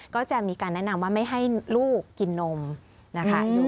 ก็จะมีการแนะนำว่าไม่ให้ลูกกินนมนะคะ